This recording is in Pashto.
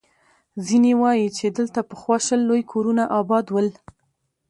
ځيني وایي، چې دلته پخوا شل لوی کورونه اباد ول.